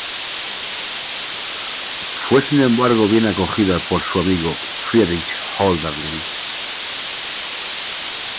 Fue sin embargo bien acogida por su amigo Friedrich Hölderlin.